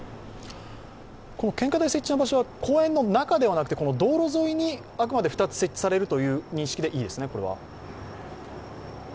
献花台設置の場所は、公園の中ではなくて道路沿いにあくまで２つ設置されるという認識でいいですね？